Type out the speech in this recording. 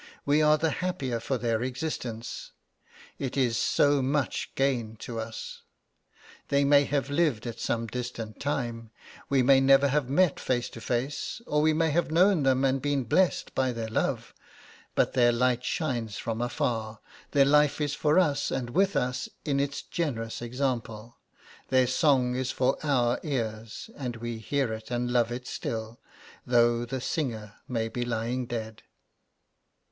We are the happier for their existence, it is so much gain to us. They may have lived at some distant time, we may never have met face to face, or we may have known them and been blessed by their love; but their light shines from afar, their life is for us and with us in its generous example; their song is for our ears, and we hear it and love it still, though the singer may be lying dead.